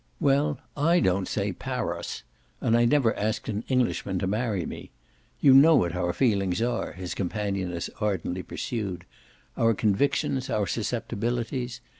"Well, I don't say 'Parus' and I never asked an Englishman to marry me. You know what our feelings are," his companion as ardently pursued; "our convictions, our susceptibilities.